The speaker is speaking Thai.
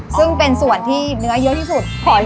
ซึ่งเป็นส่วนที่เนื้อเยอะที่สุด